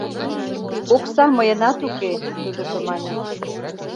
Окса мыйынат уке, — тудыжо мане.